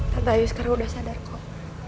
tante ayu sekarang udah sadar kok